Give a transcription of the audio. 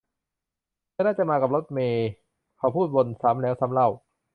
เธอน่าจะมากับรถเมย์ เขาพูดวนซ้ำแล้วซ้ำเล่า